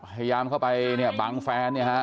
พยายามเข้าไปเนี่ยบังแฟนเนี่ยฮะ